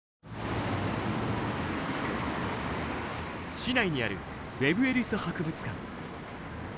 市内にあるウェブ・エリス博物館。